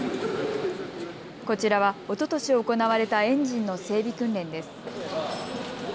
こちらは、おととし行われたエンジンの整備訓練です。